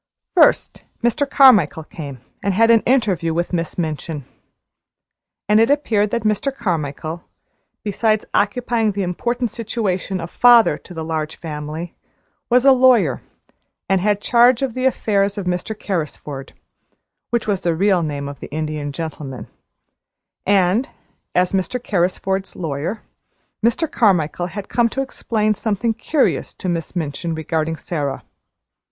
First, Mr. Carmichael came and had an interview with Miss Minchin. And it appeared that Mr. Carmichael, besides occupying the important situation of father to the Large Family was a lawyer, and had charge of the affairs of Mr. Carrisford which was the real name of the Indian Gentleman and, as Mr. Carrisford's lawyer, Mr. Carmichael had come to explain something curious to Miss Minchin regarding Sara.